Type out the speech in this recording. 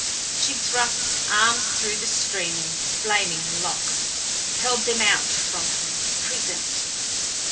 She thrust arms through the streaming, flaming locks; held them out from her, prisoned.